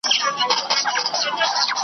له وړو او سترو لویو نهنګانو .